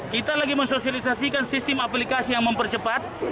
kita lagi mensosialisasikan sistem aplikasi yang mempercepat